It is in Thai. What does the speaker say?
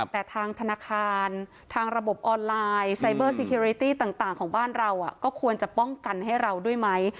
แต่ทางธนาคารทางระบบออนไลน์ไซเบอร์ซีคิริตี้ต่างของบ้านเราก็ควรจะป้องกันให้เราด้วยไหม